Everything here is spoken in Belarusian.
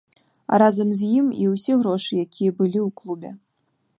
А разам з ім і ўсе грошы, якія былі ў клубе.